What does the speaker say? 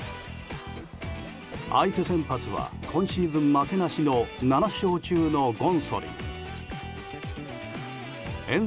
相手先発は今シーズン負けなしの７勝中のゴンソリン。